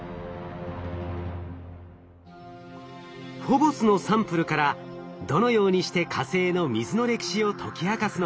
フォボスのサンプルからどのようにして火星の水の歴史を解き明かすのか？